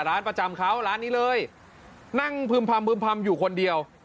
ร้านประจำเขาร้านนี้เลยนั่งพึ่มพำพึ่มพำอยู่คนเดียว